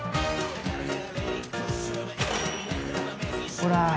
ほら。